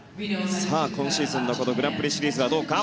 さあ今シーズンのこのグランプリシリーズはどうか。